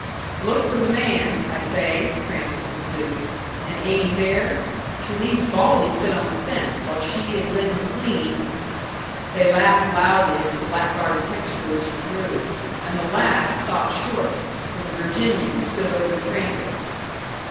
"Look for the man, I say," Trampas pursued. "And ain't he there? She leaves Baldy sit on the fence while she and Lin McLean " They laughed loudly at the blackguard picture which he drew; and the laugh stopped short, for the Virginian stood over Trampas.